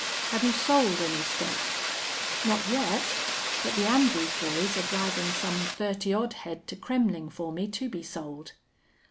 "Have you sold any stock?" "Not yet. But the Andrews boys are driving some thirty odd head to Kremmling for me to be sold."